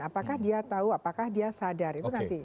apakah dia tahu apakah dia sadar itu nanti